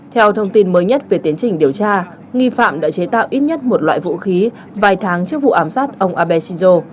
theo thông tin mới nhất về tiến trình điều tra nghi phạm đã chế tạo ít nhất một loại vũ khí vài tháng trước vụ ám sát ông abe shinzo